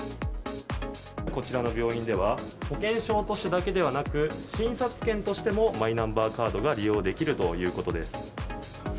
こちらの病院では、保険証としてだけではなく、診察券としてもマイナンバーカードが利用できるということです。